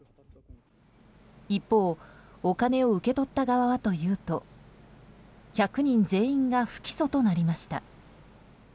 一方お金を受け取った側はというと１００人全員が不起訴となりました。